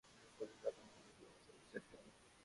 আমি পুলিশ বা তোমাদের বিচার ব্যবস্থাকে বিশ্বাস করি না।